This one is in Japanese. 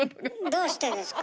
どうしてですか？